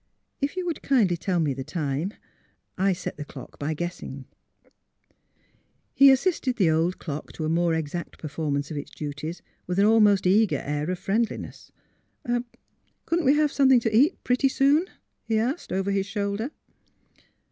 " If you would kindly tell me the time. I set the clock by guess." 124 THE HEART OF PHILURA Pie assisted the old clock to a more exact per formance of its duties with an almost eager air of friendliness. ^' Couldn't we have something to eat pretty soon? " he asked, over his shoulder.